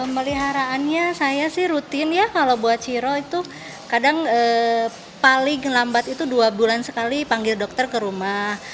meliharaannya saya sih rutin ya kalau buat ciro itu kadang paling lambat itu dua bulan sekali panggil dokter ke rumah